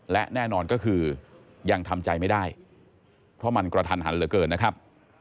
และแน่นอนก็คือยังทำใจไม่ได้เพราะมันกระทันหันเหลือเกินนะครับ